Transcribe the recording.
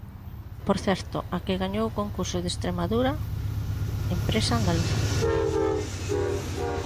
Por certo, a que gañou o concurso de Estremadura, empresa andaluza.